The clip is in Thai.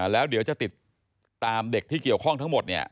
แล้วเดี๋ยวจะติดตามเด็กที่เกี่ยวข้องทั้งหมดเนี่ย